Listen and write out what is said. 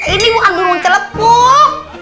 ini bukan burung celepuk